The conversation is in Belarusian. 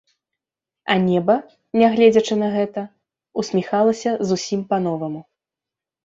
А неба, нягледзячы на гэта, усміхалася зусім па-новаму.